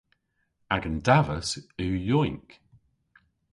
Agan davas yw yowynk.